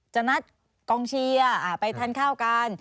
จะนัดกองเชียร์ไปทานข้าวกัน